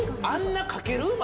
あんなかける？